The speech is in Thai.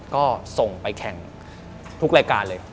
ก็ส่งไปแข่งทุกรายการเลย